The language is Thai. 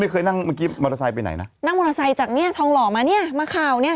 ไม่เคยนั่งเมื่อกี้มอเตอร์ไซส์ไปไหนนั่งมอเตอร์ไซส์จากนี่ท้องหล่อมานี่มะคาวนี่